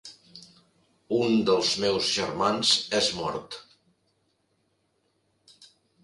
Un dels meus germans és mort.